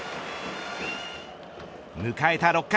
迎えた６回。